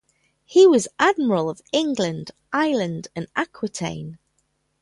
He was Admiral of England, Ireland, and Aquitaine.